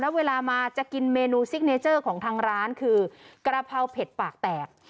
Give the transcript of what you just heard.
แล้วเวลามาจะกินเมนูซิกเนเจอร์ของทางร้านคือกระเพราเผ็ดปากแตก